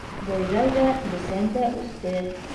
Бойҙай ҙа, бесән дә үҫте.